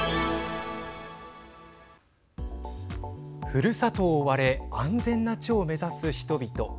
ふるさとを追われ安全な地を目指す人々。